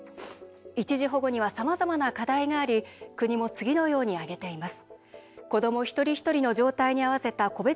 一時保護にはさまざまな課題があり国も次のように挙げています。